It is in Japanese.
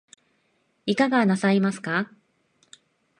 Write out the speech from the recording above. いかがなさいますか